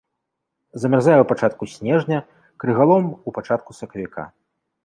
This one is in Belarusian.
Замярзае ў пачатку снежня, крыгалом у пачатку сакавіка.